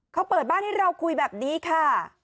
เขาเปิดบ้านให้เราคุยแบบนี้ค่ะ